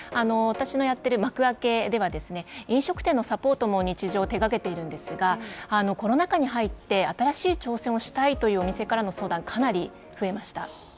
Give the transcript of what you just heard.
私のやっているマクアケでは、飲食店のサポートも日常、手がけているんですがコロナ禍に入って新しい挑戦をしたいというお店からの相談、かなり増えました。